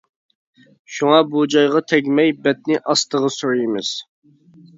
شۇڭا بۇ جايغا تەگمەي بەتنى ئاستىغا سۈرىمىز.